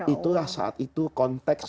itulah saat itu konteks